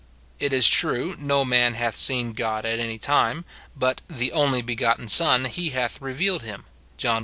It is true, 'No man hath seen God at any time,' but 'the only begotten Son, he hath revealed him,' John i.